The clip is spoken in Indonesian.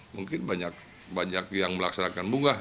mungkin banyak yang melaksanakan bunga